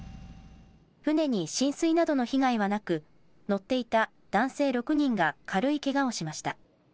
船に浸水などの被害はなく乗っていた男性６人が軽いけがをしました。